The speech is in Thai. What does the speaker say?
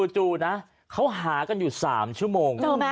จู่นะเขาหากันอยู่๓ชั่วโมง